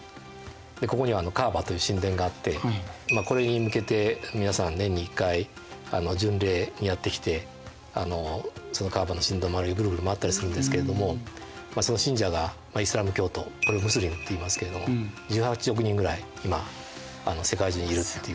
ここにはカーバという神殿があってこれに向けて皆さん年に１回巡礼にやって来てそのカーバの神殿の周りをグルグル回ったりするんですけれどもその信者がイスラーム教徒これムスリムっていいますけれども１８億人ぐらい今世界中にいるっていうことですね。